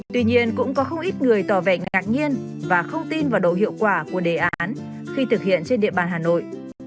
tuy nhiên cũng có không ít người tỏ vẻ ngạc nhiên và không tin vào độ hiệu quả của đề án khi thực hiện trên địa bàn hà nội